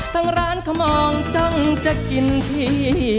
ทางร้านเขามองจ้องจะกินที่